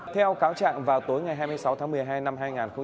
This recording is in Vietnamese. theo cáo trạng vào tối ngày hai mươi sáu tháng một mươi hai năm hai nghìn hai mươi